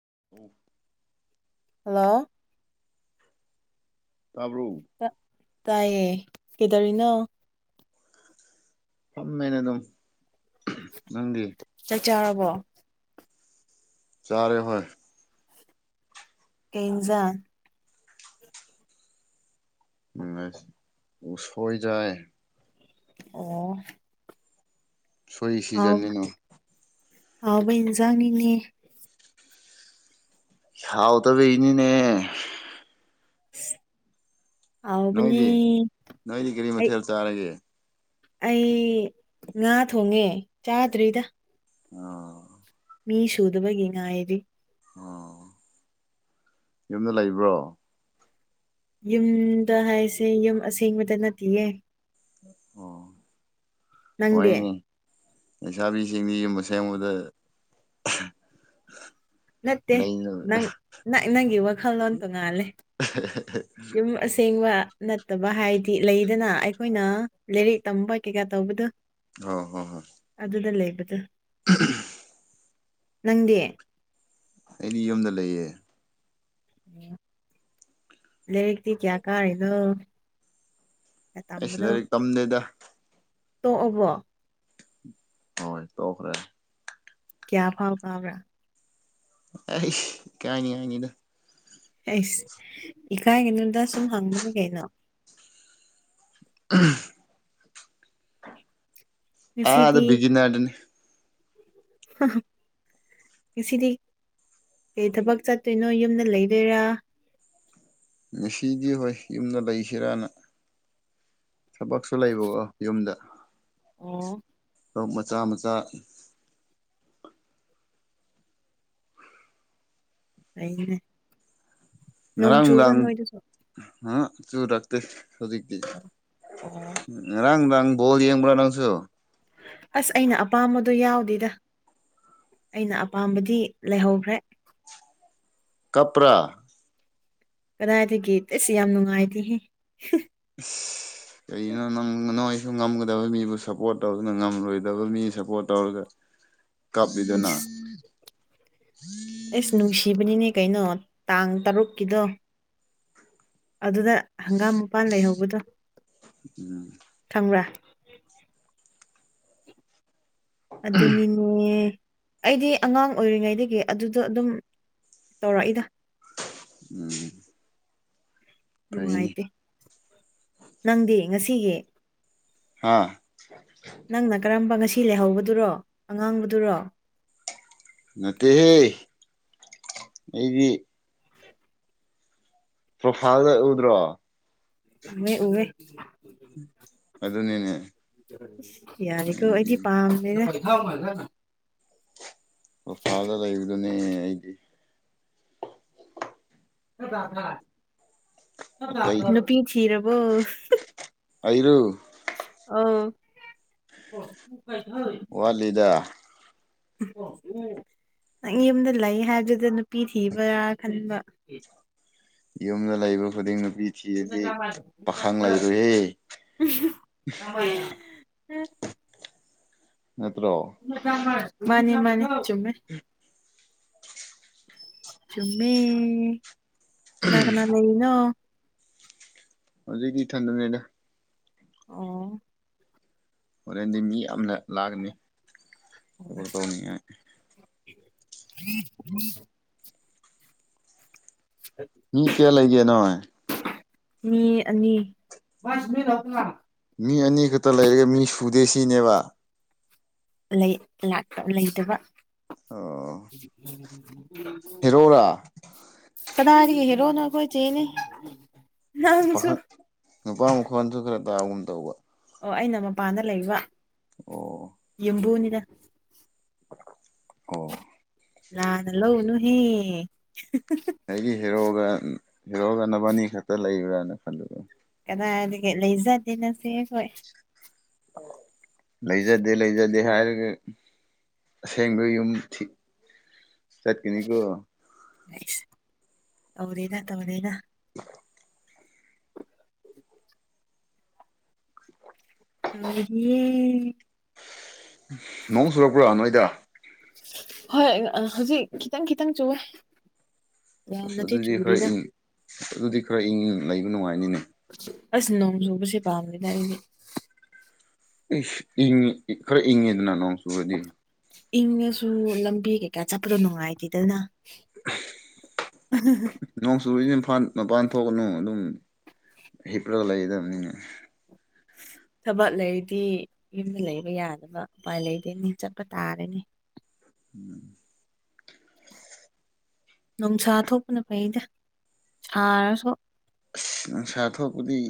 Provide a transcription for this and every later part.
[inaudible] Hello ꯇꯥꯕ꯭ꯔꯣ ꯇ ꯇꯥꯏꯌꯦ ꯀꯩꯗꯧꯔꯤꯅꯣ ꯐꯝꯃꯦꯅꯦ ꯑꯗꯨꯝ ꯅꯪꯗꯤ ꯆꯥꯛ ꯆꯥꯔꯕꯣ ꯆꯔꯦ ꯍꯣꯏ ꯀꯩ ꯏꯟꯖꯥꯡ ꯑ ꯎꯁꯣꯏ ꯆꯥꯏ ꯑꯣ ꯍꯥꯎ ꯁꯣꯏꯁꯤꯖꯟꯅꯤꯅꯥ ꯍꯥꯎꯕ ꯏꯟꯖꯥꯡꯅꯤꯅꯦ ꯍꯥꯎ ꯇꯕ ꯏꯅꯤꯅꯦ [inaudible] ꯍꯥꯎꯕꯅꯦ ꯅꯪꯗꯤ ꯅꯣꯏꯗꯤ ꯀꯔꯤ ꯑꯩ ꯃꯊꯦꯜ ꯆꯥꯔꯒꯦ ꯑꯩ ꯉꯥ ꯊꯣꯡꯉꯦ ꯆꯥꯗ꯭ꯔꯤꯗ ꯑꯣ ꯃꯤ ꯁꯨꯗꯕꯒꯤ ꯉꯥꯏꯔꯤ ꯑꯣ ꯌꯨꯝꯗ ꯂꯩꯕ꯭ꯔꯣ ꯌꯨꯝ ꯗ ꯍꯥꯏꯁꯦ ꯌꯨꯝ ꯑꯁꯦꯡꯕꯗ ꯅꯠꯇꯤꯌꯦ ꯑꯣ ꯅꯪꯗꯤ ꯍꯣꯏꯅꯦ ꯂꯩꯁꯥꯕꯤꯁꯤꯡꯗꯤ ꯌꯨꯝꯕ ꯑꯁꯦꯡꯕꯗ ꯑꯍꯥ ꯅꯠꯇꯦ ꯅꯪ ꯅꯪ ꯅꯪꯒꯤ ꯋꯥꯈꯜꯂꯣꯟ ꯇꯣꯉꯥꯜꯂꯦ ꯌꯨꯝ ꯑꯁꯦꯡꯕ ꯅꯠꯇꯕ ꯍꯥꯏꯗꯤ ꯂꯩꯗꯅ ꯑꯩꯈꯣꯏꯅ ꯂꯥꯏꯔꯤꯛ ꯇꯝꯕ ꯀꯩꯀꯥ ꯇꯧꯕꯗꯨ ꯍꯣ ꯍꯣ ꯍꯣꯏ [inaudible] ꯅꯪꯗꯤ ꯑꯩꯗꯤ ꯌꯨꯝꯗ ꯂꯩꯌꯦ [unintelligible] ꯑꯩꯁꯨ ꯇꯝꯕꯅꯣ ꯂꯥꯏꯔꯤꯛ ꯇꯝꯗꯦꯗ ꯇꯣꯛꯑꯕꯣ ꯍꯣꯏ ꯇꯣꯛꯈ꯭ꯔꯦ ꯀꯌꯥ ꯐꯥꯎ ꯀꯥꯕ꯭ꯔꯥ ꯑꯩꯁ ꯏꯀꯥꯏ ꯅꯤꯉꯥꯏꯅꯤꯗ ꯑꯩꯁ ꯏꯀꯥꯏꯒꯅꯣꯗ ꯁꯨꯝ ꯍꯪꯕꯅꯤ ꯀꯩꯅꯣ ꯎꯍꯝ ꯑ ꯉꯁꯤꯗꯤ ꯑꯗꯨꯗꯨꯒꯤ ꯅꯥꯗꯅꯤ [inaudible] ꯉꯁꯤꯗꯤ ꯀꯩ ꯊꯕꯛ ꯆꯠꯇꯣꯏꯅꯣ ꯌꯨꯝꯗ ꯂꯩꯗꯣꯏꯔꯥ ꯉꯁꯤꯗꯤ ꯍꯣꯏ ꯌꯨꯝꯗ ꯂꯩꯁꯤꯔꯅ ꯊꯕꯛꯁꯨ ꯂꯩꯕꯀꯣ ꯌꯨꯝꯗ ꯑꯣ ꯁꯣ ꯃꯆꯥ ꯃꯆꯥ ꯑꯩꯅꯦ ꯉꯔꯥꯡꯔꯥꯡ ꯑ ꯆꯨꯥꯛꯇ ꯍꯧꯖꯤꯗꯤ ꯑꯣ ꯔꯪ ꯔꯪ ꯣꯜ ꯌꯦꯡꯕ ꯂꯪꯁꯨ ꯑꯁ ꯑꯩꯅ ꯑꯄꯥꯝꯕꯗꯣ ꯌꯥꯎꯗꯦꯗ ꯑꯩꯅ ꯑꯄꯥꯝꯕꯗꯤ ꯂꯩꯍꯧꯈ꯭ꯔꯦ ꯀꯄ꯭ꯔ ꯀꯗꯥꯏꯗꯒꯤ ꯒꯤꯦꯠ ꯑꯦꯁꯤ ꯌꯥꯝ ꯅꯨꯡꯉꯥꯏꯇꯦꯍꯦ ꯀꯩꯅꯣ ꯅꯪ ꯅꯣꯏ ꯁꯨ ꯉꯝꯒꯗꯕ ꯃꯤꯕꯨ ꯁꯞꯄꯣꯔꯠ ꯇꯧꯗꯨꯅ ꯉꯝꯂꯣꯏꯗꯕ ꯃꯤ ꯁꯞꯄꯣꯔꯠ ꯇꯧꯔꯒ ꯀꯥꯞꯕꯤꯗꯅ ꯏꯁ ꯑꯦꯁ ꯅꯨꯡꯁꯤꯕꯅꯤꯅꯦ ꯀꯩꯅꯣ ꯇꯥꯡ ꯇꯔꯨꯛꯀꯤꯗꯣ ꯑꯗꯨꯗ ꯍꯪꯒꯥꯝ ꯃꯄꯥꯟ ꯂꯩꯍꯧꯕꯗꯣ ꯈꯪꯕ꯭ꯔꯥ ꯑꯗꯨꯗꯅꯤꯅꯦ ꯑꯩꯗꯤ ꯑꯉꯥꯡ ꯑꯣꯏꯔꯤꯉꯩꯗꯒꯤ ꯑꯗꯨꯗꯣ ꯑꯗꯨꯝ ꯇꯧꯔꯛꯏꯗ ꯎꯝ ꯐꯩꯅꯦ ꯅꯨꯡꯉꯥꯏꯇꯦ ꯅꯪꯗꯤ ꯉꯁꯤꯒꯤ ꯍꯥꯥ ꯅꯪꯅ ꯀꯔꯝꯕ ꯉꯁꯤ ꯂꯩꯍꯧꯕꯗꯨꯔꯣ ꯑꯉꯥꯡꯕꯗꯨꯔꯣ ꯅꯠꯇꯦꯍꯦ ꯑꯩꯗꯤ ꯄ꯭ꯔꯣꯐꯥꯏꯜꯗ ꯎꯎꯗ꯭ꯔꯣ ꯃ ꯎꯅꯦ ꯑꯗꯨꯅꯤꯅꯦ ꯌꯥꯅꯤꯀꯣ ꯑꯩꯗꯤ ꯄꯥꯝꯅꯤꯅ ꯑꯣꯐꯥꯜꯗ ꯂꯩꯕꯗꯨꯅꯦ ꯑꯩꯗꯤ꯫ ꯑꯇꯩ [unintelligible] ꯅꯨꯄꯤ ꯊꯤꯔꯕꯣ꯫ ꯑꯩꯔ ꯑꯥ ꯋꯥꯜꯗ ꯑꯣ ꯎ ꯅꯪ ꯌꯨꯝꯗ ꯂꯩ ꯍꯥꯏꯕꯗꯨꯗ ꯅꯨꯄꯤ ꯊꯤꯕ꯭ꯔꯥ ꯈꯟꯕ ꯌꯨꯝꯗ ꯂꯩꯕ ꯈꯨꯗꯤꯡ ꯕꯤꯊꯤꯔꯗꯤ ꯄꯥꯈꯥꯡ ꯂꯩꯔꯣꯏꯍꯦ ꯎꯝ ꯅꯠꯇ꯭ꯔꯣ ꯃꯥꯅꯤ ꯃꯥꯅꯤ ꯆꯃꯦ ꯆꯨꯝꯃꯤ ꯀꯅꯥ ꯀꯅꯥ ꯂꯩꯅꯣ ꯍꯧꯖꯤꯛꯇꯗꯤ ꯊꯟꯗꯅꯦꯗ ꯑꯣ ꯍꯣꯔꯦꯟꯗꯤ ꯃꯤ ꯌꯥꯝꯅ ꯂꯥꯛꯀꯅꯤ ꯀ ꯇꯧꯅꯤꯡꯉꯥꯏ ꯎꯝ ꯎꯝ ꯃꯤ ꯀꯦ ꯂꯩꯒꯦ ꯅꯥꯏ ꯃꯤ ꯑꯅꯤ ꯁꯃꯤ ꯂꯅꯥ ꯃꯤ ꯑꯅꯤ ꯈꯛꯇ ꯂꯩꯔꯒ ꯃꯤ ꯁꯨꯗꯦ ꯁꯤꯅꯦꯕ ꯂꯩ ꯂꯥꯛꯄ ꯂꯩꯇꯕ ꯑꯣ ꯍꯔꯣꯔꯥ ꯀꯗꯥꯅꯤꯒꯤ ꯍꯔꯣꯅ ꯀꯣꯏ ꯆꯦꯅꯤ ꯄꯈꯛ ꯅꯨꯄꯥ ꯃꯈꯣꯟꯁꯨ ꯈꯔ ꯇꯥꯒꯨꯝ ꯇꯧꯕ ꯑꯣ ꯑꯩꯅ ꯃꯄꯥꯟꯗ ꯂꯩꯕ ꯑꯣ ꯌꯨꯝꯕꯨꯅꯤꯅ꯫ ꯑꯣ꯫ ꯂꯥꯅ ꯂꯧꯒꯅꯨꯍꯦ꯫ ꯎꯟ ꯍꯤꯔꯣꯒ ꯅꯕꯥꯅꯤ ꯈꯛꯇ ꯂꯩꯕ꯭ꯔꯥꯅ ꯈꯜꯂꯒ꯫ ꯀꯗꯥꯏꯗꯒꯤ ꯂꯩꯖꯗꯦꯅꯇꯦ ꯍꯣꯏ꯫ ꯂꯩꯖꯗꯦ ꯂꯩꯖꯗꯦ ꯍꯥꯏꯔꯒ ꯑꯁꯦꯡꯕ ꯌꯨꯝ ꯊꯤ ꯆꯠꯀꯤꯅꯤ ꯀꯣ꯫ ꯁ ꯇꯧꯗꯦꯗ-ꯇꯧꯗꯦꯗ꯫ [unintelligible] ꯅꯣꯡ ꯆꯨꯔꯛꯄ꯭ꯔꯥ ꯅꯣꯏꯗꫭ꯫ ꯍꯣꯏ ꯍꯧꯖꯤꯛ ꯈꯤꯇꯪ-ꯈꯤꯇꯪ ꯆꯨꯋꯦ꯫ ꯑꯁ ꯌꯥꯝꯅꯗꯤ ꯑꯗꯨꯗꯤ ꯈꯔ ꯆꯨꯗꯦꯗ ꯏꯪ ꯑꯁ ꯑꯗꯨꯗꯤ ꯈꯔ ꯏꯪꯪ ꯂꯩꯕ ꯅꯨꯡꯉꯥꯏꯅꯤꯅꯦ꯫ ꯑꯁ ꯅꯣꯡ ꯆꯨꯕꯁꯦ ꯄꯥꯝꯗꯦꯗ ꯑꯩꯗꯤ꯫ ꯏꯁ ꯏ ꯈꯔ ꯏꯪꯉꯤꯗꯅ ꯅꯣꯡ ꯆꯨꯔꯗꯤ꯫ ꯏꯪꯉꯁꯨ ꯂꯝꯕꯤ ꯀꯩꯀꯥ ꯆꯠꯄꯗꯣ ꯅꯨꯡꯉꯥꯏꯇꯦꯗꯅ꯫ ꯅꯣꯡꯆꯨꯔꯗꯤ ꯐꯥꯟ ꯃꯄꯥꯟ ꯊꯣꯛꯀꯅꯨ ꯑꯗꯨꯝ ꯍꯤꯞꯔ ꯂꯩꯒꯗꯕꯅꯤꯅꯦ꯫ [inaudible] ꯊꯕꯛ ꯂꯩꯔꯗꯤ ꯌꯨꯝꯗ ꯂꯩꯕ ꯌꯥꯗꯕ ꯎꯄꯥꯏ ꯂꯩꯗꯦꯅꯤ ꯆꯠꯄ ꯇꯥꯔꯅꯤ꯫ ꯎꯝ꯫ ꯅꯨꯡꯁꯥ ꯊꯣꯛꯄꯅ ꯐꯩꯗ ꯁꯥꯔꯁꯨ꯫ ꯑꯁ ꯅꯨꯡꯁꯥ ꯊꯣꯛꯄꯗꯤ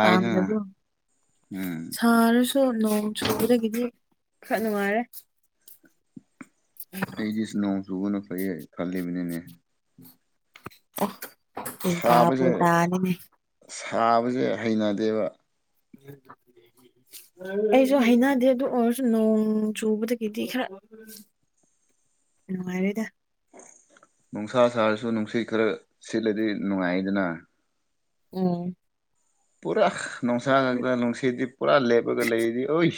ꯄꯥꯝꯗꯕꯣ ꯎꯝ ꯁꯥꯔꯁ ꯁꯨ ꯅꯣꯡ ꯆꯨꯕꯗꯒꯤꯗꯤ ꯈꯔ ꯅꯨꯡꯉꯥꯏꯔꯦ꯫ ꯑꯩꯗꯤꯁ ꯅꯣꯡ ꯆꯨꯕꯅ ꯐꯩꯌꯦ ꯈꯜꯂꯤꯕꯅꯤꯅꯦ꯫ [unintelligible] ꯁꯥꯕꯁꯦ [inaudible] ꯁꯥꯕꯁꯦ ꯍꯩꯅꯗꯦꯕ ꯑꯩꯁꯨ ꯍꯩꯅꯗꯦ ꯑꯗꯨ ꯑꯣꯏꯔꯁꯨ ꯅꯣꯡ ꯆꯨꯕꯗꯒꯤꯗꯤ ꯈꯔ ꯅꯨꯡꯉꯥꯏꯔꯦꯗ꯫ ꯅꯨꯡꯁꯥ ꯁꯥꯔꯁꯨ ꯅꯨꯡꯁꯤꯠ ꯈꯔ ꯁꯤꯠꯂꯗꯤ ꯅꯨꯡꯉꯥꯏꯗꯅ꯫ ꯎꯝ꯫ ꯄꯨꯔꯥ ꯅꯨꯡꯁꯥ ꯈꯛꯇ ꯅꯨꯡꯁꯤꯠꯗꯤ ꯄꯨꯔꯥ ꯂꯦꯞꯔꯒ ꯂꯩꯔꯗꯤ ꯑꯣꯏ꯫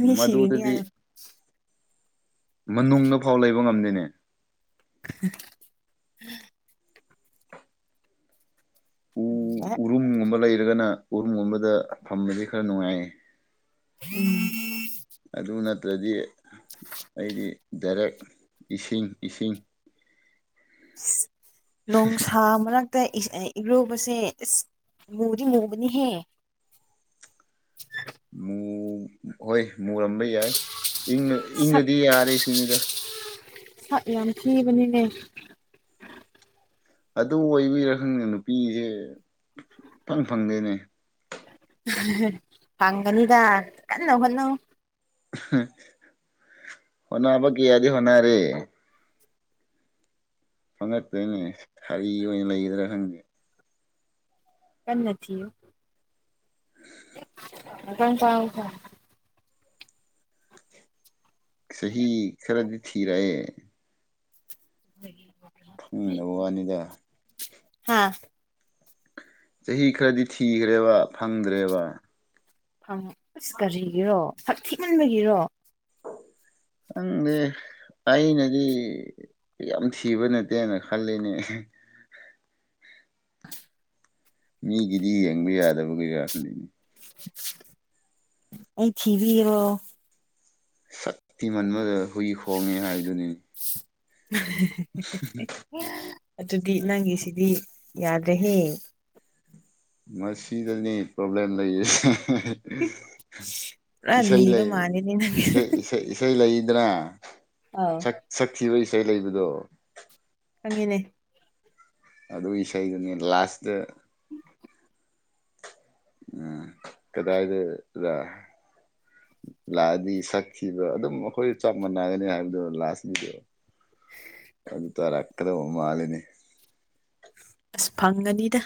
ꯃꯤ ꯁꯤꯔꯤꯅꯤ ꯃꯗꯨꯗꯗꯤ ꯍꯥꯏꯌꫭ꯫ ꯃꯅꯨꯡꯗ ꯐꯥꯎ ꯂꯩꯕ ꯉꯝꯗꯦꯅꯦ꯫ [inaudible] [inaudible] ꯠꯇ꯭ꯔꯒꯅ ꯎꯔꯨꯝꯒꯨꯝꯕꯗ ꯐꯝꯕꯗꯤ ꯈꯔ ꯅꯨꯡꯉꯥꯏ꯫ [unintelligible] ꯗꯗꯤ ꯑꯩꯗꯤ ꯗꯥꯏꯔꯦꯛ ꯏꯁꯤꯡ ꯏꯁꯤꯡ ꯅꫭꯡꯁꯥ ꯃꯔꯛ ꯇ ꯏꯁ ꯑ ꯏꯔꯨꯕꯁꯦ ꯏꯁꯁ ꯃꯨꯗꯤ ꯃꯨꯕꯅꯤꯍꯦ꯫ [unintelligible] [unintelligible] ꯃꯨ ꯍꯣꯏ ꯃꯨꯔꯝꯕ ꯌꯥꯏ ꯏꯪꯔ ꯏꯪꯔꯗꯤ ꯌꯥꯔꯦ ꯁꯤꯅꯤꯗ꯫ ꯁꯥꯛ ꯌꯥꯝ ꯊꯤꯕꯅꯤꯅꯦ꯫ ꯑꯗꯨ ꯑꯣꯏꯕꯤꯔꯥ ꯈꯪꯗꯦ ꯅꯨꯄꯤꯁꯦ ꯐꯪ ꯐꯪꯗꯦꯅꯦ꯫ ꯐꯪꯒꯅꯤꯗ ꯀꯟꯅ ꯍꫭꯠꯅꯧ꯫ ꯍꫭꯠꯅꯕ ꯀꯌꯥꯗꯤ ꯍꫭꯠꯅꯥꯔꯦ꯫ ꯐꯪꯒꯉꯛꯇ꯭ꯔꯦꯅꯦ ꯁꯥꯔꯤ ꯑꯣꯏꯅ ꯂꯩꯒꯗ꯭ꯔꯥ ꯈꯪꯗꯦ꯫ ꯀꯟꯅ ꯊꯤꯌꯨ ꯃꯇꯥꯡ [inaudible] ꯆꯍꯤ ꯈꯔꯗꯤ ꯊꯤꯔꯛꯑꯦ꯫ ꯎꯝ ꯎꯝ ꯍ ꯋꯥꯅꯤꯗ ꯍꯥꯥ ꯆꯍꯤ ꯈꯔꯗꯤ ꯊꯤꯈ꯭ꯔꯦꯕ ꯐꯪꯗ꯭ꯔꯦꯕ ꯪ ꯑꯁ ꯀꯔꯤꯒꯤꯔꯣ ꯁꯛ ꯊꯤꯍꯟꯕꯒꯤꯔꯣ ꯍꯪꯦ ꯑꯩꯅꯗꯤ ꯌꯥꯝ ꯊꯤꯕ ꯅꯠꯇꯦꯅ ꯈꯜꯂꯤꯅꯦ ꯑ ꯃꯤꯒꯤꯗꯤ ꯌꯦꯡꯕ ꯌꯥꯗꯕ ꯀꯩ ꯋꯥ ꯈꯜꯂꯤꯅꯤ ꯑꯩ ꯊꯕꯤꯔꯣ ꯁꯛꯇꯤ ꯃꯟꯕꯗ ꯍꯨꯏ ꯍꯣꯡꯉꯦ ꯍꯥꯏꯕꯗꯨꯅꯤꯅꯤ [inaudible] ꯑꯗꯨꯗꯤ ꯅꯪꯒꯤꯁꯤꯗꯤ ꯌꯥꯗ꯭ꯔꯦꯍꯌꯦꯡ ꯃꯁꯤꯗꯅꯤ ꯄ꯭ꯔꯣꯕ꯭ꯂꯦꯝ ꯂꯩꯌꯦ ꯄꯨꯔꯥ ꯂꯤꯕ ꯃꯥꯜꯂꯦꯅꯦ ꯅꯪꯒꯤ ꯏꯁꯩ ꯂꯩ ꯂꯩꯗꯅ ꯑꯥꯎ ꯛ ꯁꯛꯊꯤꯕ ꯏꯁꯩ ꯂꯩꯕꯗꯣ ꯆꯪꯉꯤꯅꯦ ꯑꯗꯨꯒꯤ ꯏꯁꯩꯗꯨꯅꯤ ꯂꯥꯁꯇ ꯎꯝ ꯀꯗꯥꯗ ꯂꯥꯛꯑꯗꯤ ꯁꯛꯈꯤꯕ ꯑꯗꯨꯝ ꯑꯩꯈꯣꯏ ꯆꯞ ꯃꯥꯟꯅꯒꯅꯤ ꯍꯥꯏꯕꯗꯣ ꯂꯥꯛꯑꯁꯤꯗ [inaudible] ꯌꯦ ꯇꯔ ꯑꯈꯗ ꯎꯃꯂꯤꯅꯤ ꯑꯁ ꯐꯪꯒꯅꯤꯗ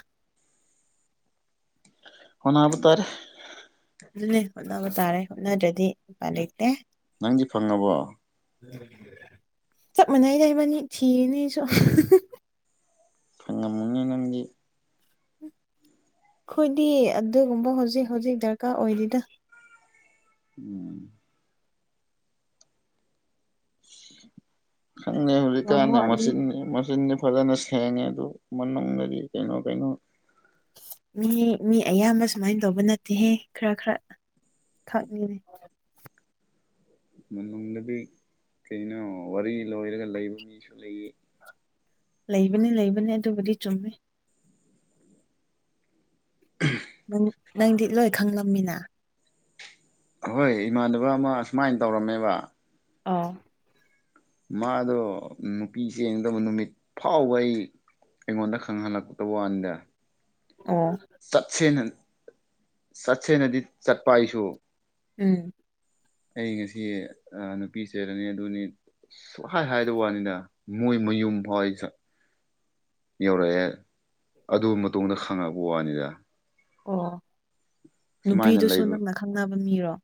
ꯍꯅꯕ ꯇꯔꯦ ꯑꯗꯨꯅꯦ ꯍꯣꯠꯅꯕ ꯇꯥꯔꯦ ꯍꯣꯠꯅꯗ꯭ꯔꯗꯤ ꯏꯄꯥꯏ ꯂꯩꯇꯦ ꯅꯪꯗꯤ ꯐꯪꯉꯕꯣ ꯆꯞ ꯃꯅꯥꯏ ꯂꯩꯏꯕꯅꯤ ꯊꯅꯦꯁꯨ ꯈꯪꯉꯝꯃꯅꯤ ꯅꯪꯒꯤ ꯑꯩꯈꯣꯏꯗꯤ ꯑꯗꯨꯒꯨꯝꯕ ꯍꯧꯖꯤꯛ ꯍꯧꯖꯤꯛ ꯗꯔꯀꯥꯔ ꯑꯣꯏꯗꯅ ꯎꯝ ꯪ ꯍꯧꯖꯤ ꯌꯥꯝ ꯀꯥꯅꯦ ꯋꯥꯠꯂꯤ ꯃꯁꯟꯅꯤ ꯃꯁꯤꯅꯤ ꯐꯖꯅ ꯁꯦꯡꯉꯦ ꯑꯗꯨ ꯃꯅꯨꯡꯗꯗꯤ ꯀꯩꯅꯣ ꯀꯩꯅꯣ ꯃꯤ ꯃꯤ ꯑꯌꯥꯝꯕ ꯁꯨꯃꯥꯏꯅ ꯇꯧꯕ ꯅꯠꯇꯦꯍꯦ ꯈꯔ ꯈꯔ ꯈꯥꯉꯅꯦ ꯃꯅꯨꯡꯗꯗꯤ ꯀꯩꯅꯣ ꯋꯥꯔꯤ ꯂꯣꯏꯔꯒ ꯂꯩꯕ ꯃꯤꯁꯨ ꯂꯩꯌꯦ ꯂꯩꯕꯅꯤ ꯂꯩꯕꯅꯤ ꯑꯗꯨꯕꯨꯗꯤ ꯆꯨꯝꯃꯦ ꯅꯪꯗꯤ ꯂꯣꯏ ꯈꯪꯂꯝꯃꯤꯅ ꯍꯣꯏ ꯏꯃꯥꯟꯅꯕ ꯑꯃ ꯑꯨꯃꯥꯏꯅ ꯇꯧꯔꯝꯃꯦꯕ ꯑꯥ ꯃꯥꯗꯣ ꯅꯨꯄꯤꯁ ꯌꯦꯡꯗꯕ ꯅꯨꯃꯤꯠ ꯐꯥꯎꯕ ꯑꯩ ꯏꯉꯣꯟꯗ ꯈꯥꯉ ꯍꯥꯟ ꯀꯨ ꯇꯧꯕ ꯑꯅꯤꯗꯦ ꯑꯣ ꯁꯠ ꯁꯦꯅ ꯁꯠ ꯁꯦꯅꯗꯤ ꯆꯠꯄ ꯍꯥꯏꯁꯨ ꯎꯝ ꯑꯩ ꯉꯁꯤ ꯅꯨꯄꯤ ꯆꯩꯦꯔꯅꯤ ꯑꯗꯨꯅꯤ ꯁꯨꯛꯍꯥꯏ ꯍꯥꯏꯗꯕ ꯋꯥꯅꯤꯗ ꯃꯣꯏ ꯃꯌꯨꯝ ꯐꯣꯏꯁ [inaudible] ꯌꯧꯔꯛꯑꯦ ꯑꯗꯨ ꯃꯇꯨꯡꯗ ꯈꯪꯉꯛꯄ ꯋꯥꯅꯤꯗ ꯑꯣ ꯁꯨꯃꯥꯏꯅ ꯅꯨꯄꯤꯗꯨꯁꯨ ꯂꯩꯕ ꯅꯪꯅ ꯈꯪꯅꯕ ꯃꯤꯔꯣ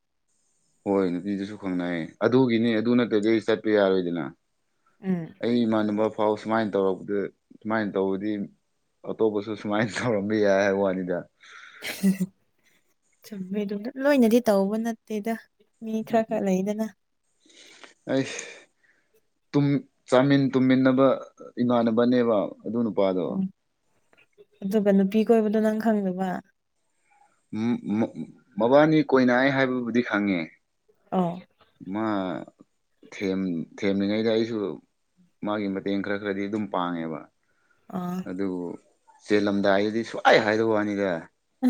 ꯍꯣꯏ ꯅꯨꯅꯨꯡꯄꯤꯗꯨꯁꯨ ꯈꯪꯅꯌꯦ ꯑꯗꯨꯒꯤꯅꯤ ꯑꯗꯨ ꯅꯠꯇ꯭ꯔꯒ ꯆꯠꯄ ꯌꯥꯔꯣꯏꯗꯅ ꯑꯩ ꯏꯃꯥꯟꯅꯕ ꯐꯥꯎ ꯁꯨꯃꯥꯏꯅ ꯇꯧꯔꯛꯄꯗ ꯁꯨꯃꯥꯏꯅ ꯇꯧꯕꯗꯤ ꯑꯇꯣ ꯄꯁꯁꯨ ꯁꯃꯥꯏꯟ ꯊꯧꯔꯝꯕꯤ ꯌꯥ ꯍꯥꯏ ꯋꯥꯅꯤꯗ ꯆꯨꯝꯃꯦꯗ ꯂꯣꯏꯅꯗꯤ ꯇꯧꯕ ꯅꯠꯇꯦꯗ ꯃꯤ ꯈꯔ ꯈꯔ ꯂꯩꯗꯅ ꯑꯩ ꯆꯥꯃꯤꯟ ꯇꯨꯝꯃꯤꯟꯅꯕ ꯏꯃꯥꯟꯅꯕꯅꯦꯕ ꯑꯗꯨ ꯅꯨꯄꯥꯗꯣ ꯎꯝ ꯑꯗꯨꯒ ꯅꯨꯄꯤ ꯀꯣꯏꯕꯗꯣ ꯅꯪ ꯈꯪꯗꯕ ꯎ ꯃꯕꯥꯅꯤ ꯀꯣꯏꯅꯏ ꯍꯥꯏꯕꯕꯨꯗꯤ ꯈꯪꯉꯦ ꯑꯧ ꯃꯥ ꯦꯝ ꯊꯦꯝꯂꯤꯉꯩꯗ ꯑꯩꯁꯨ ꯃꯥꯒꯤ ꯃꯇꯦꯡ ꯈꯔ ꯈꯔꯗꯤ ꯑꯗꯨꯝ ꯄꯥꯡꯉꯦꯕ ꯑꯥ ꯑꯗꯨ ꯆꯦꯜꯂꯝꯗꯥꯏꯗꯗꯤ ꯁꯨꯋꯥꯥꯏ ꯍꯥꯏꯗ ꯋꯥꯅꯤꯗ ꯎ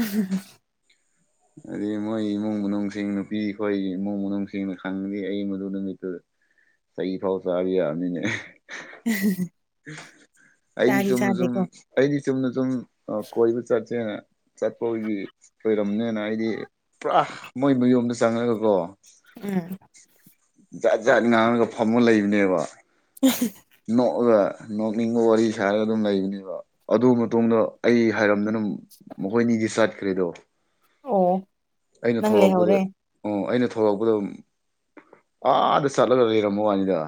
ꯑꯗꯨꯩ ꯃꯣꯏ ꯏꯃꯨꯡ ꯃꯅꯨꯡꯁꯤꯡ ꯅꯨꯄꯤ ꯑꯩꯈꯣꯏꯒꯤ ꯏꯃꯨꯡ ꯃꯅꯨꯡꯁꯤꯡꯅ ꯈꯪꯦ ꯑꯩ ꯃꯗꯨ ꯅꯨꯃꯤꯠꯇꯨꯗ ꯁꯩ ꯐꯥꯎ ꯆꯕꯤꯅꯤꯅꯦ ꯑꯩꯗꯤ ꯆꯥꯗꯤ ꯁꯨꯝ ꯁꯨꯝ ꯆꯥꯗꯦꯀꯣ ꯑꯩꯗꯤ ꯑ ꯆꯨꯝꯅ ꯆꯨꯝ ꯀꯣꯏꯕ ꯆꯠꯁꯦ ꯆꯠꯄꯒꯤ ꯑꯣꯏꯔꯝꯅꯦ ꯑꯩꯗꯤ ꯄꯨꯔꯥ ꯃꯣꯏ ꯃꯌꯣꯝꯗ ꯆꯪꯉꯛꯒ ꯀꯣ ꯎꯝ ꯖꯥꯠ ꯖꯥꯠ ꯉꯥꯡꯉꯒ ꯐꯝꯃ ꯂꯩꯕꯅꯦꯕ ꯅꯣꯛꯑꯒ ꯅꯣꯛꯅꯤꯡꯕ ꯋꯥꯔꯤ ꯁꯥꯔꯒ ꯑꯗꯨꯝ ꯂꯩꯕꯅꯦꯕ ꯑꯗꯨ ꯃꯇꯨꯡꯗꯣ ꯑꯩ ꯍꯥꯏꯔꯝꯗꯅ ꯃꯈꯣꯏꯅꯤꯒꯤ ꯆꯥꯏꯠꯈ꯭ꯔꯦꯗꯣ ꯑꯣ ꯑꯩꯅ ꯅꯪ ꯊꯣꯛꯂꯛꯄꯗ ꯂꯩꯍꯧꯔꯦ ꯎ ꯑꯩꯅ ꯊꯣꯛꯂꯛꯄꯗ ꯑꯥꯗ ꯆꯠꯂꯒ ꯂꯩꯔꯝꯃꯨ ꯋꯥꯅꯤꯗ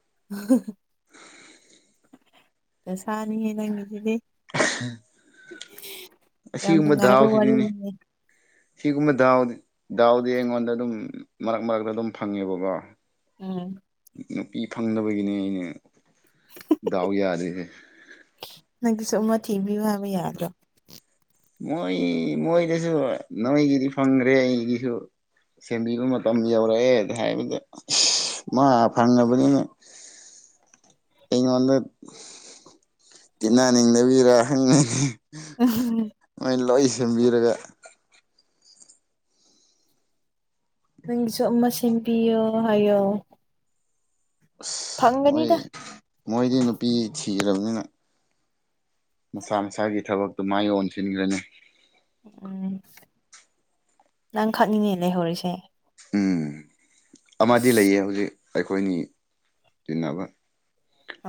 [unintelligible] ꯇꯁꯅꯤ ꯍꯥꯏ ꯅꯪꯉꯁꯤꯗꯤ ꯌꯥꯝ ꯑꯁꯤꯒꯨꯝꯕ ꯅꯨꯡꯉꯥꯏꯕ ꯗꯥꯎꯁꯤꯗꯨꯅꯤ ꯋꯥꯔꯤꯅꯤꯅꯦ ꯁꯤꯒꯨꯝꯕ ꯗꯥꯎ ꯗꯥꯎꯗꯤ ꯑꯩꯉꯣꯟꯗ ꯑꯗꯨꯝ ꯃꯔꯛ ꯃꯔꯛꯇ ꯑꯗꯨꯝ ꯐꯪꯉꯦꯕꯀꯣ ꯎꯝ ꯅꯨꯄꯤ ꯐꯪꯅꯕꯒꯤꯅꯦ ꯑꯩꯅ ꯗꯥꯎ ꯌꯥꯗꯔꯤꯁꯦ ꯊꯕꯤꯤꯕꯨ ꯍꯥꯏ ꯌꯥꯗ ꯃꯣꯏ ꯃꯣꯏꯗꯁꯨ ꯅꯣꯏꯒꯤꯗꯤ ꯐꯪꯈ꯭ꯔꯦ ꯑꯩꯒꯤꯁꯨ ꯁꯦꯝꯕꯤꯕ ꯃꯇꯝ ꯌꯧꯔꯛꯑꯦꯗ ꯍꯥꯏꯕꯗ ꯃ ꯐꯥꯅꯕꯨ ꯑꯩꯉꯣꯟꯗ ꯇꯤꯟꯅꯅꯤꯡꯗꯕꯤꯔ ꯍꯪꯉꯅꯤ ꯃꯣꯏ ꯂꯣꯏ ꯁꯦꯝꯕꯤꯔꯒ ꯅꯪꯁꯨ ꯑꯃ ꯁꯦꯝꯕꯤꯌꯣ ꯍꯥꯏꯌꯣ ꯑꯁ ꯃꯣꯏ ꯐꯪꯒꯅꯤꯗ ꯃꯣꯏꯗꯤ ꯅꯨꯄꯤ ꯊꯤꯈ꯭ꯔꯕꯅꯤꯅ ꯃꯁꯥ ꯃꯁꯥꯒꯤ ꯊꯕꯛꯇꯨ ꯃꯥ ꯌꯣꯟꯁꯤꯟꯈ꯭ꯔꯅꯤ ꯎꯝ ꯅꯪ ꯈꯛꯅꯤꯡꯅꯦ ꯂꯩꯍꯧꯔꯤꯁꯦ ꯎꯝ ꯑꯃꯗꯤ ꯂꯩꯌꯦ ꯍꯧꯖꯤꯛ ꯑꯩꯈꯣꯏꯅꯤ ꯆꯟꯅꯕ ꯑꯧ